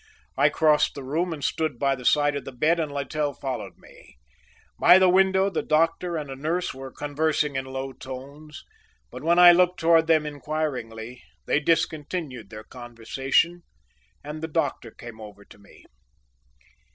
I crossed the room and stood by the side of the bed and Littell followed me. By the window the doctor and a nurse were conversing in low tones, but when I looked towards them inquiringly they discontinued their conversation and the doctor came over to me.